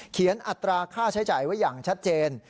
อัตราค่าใช้จ่ายไว้อย่างชัดเจน